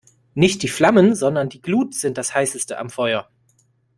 Nicht die Flammen, sondern die Glut sind das Heißeste am Feuer.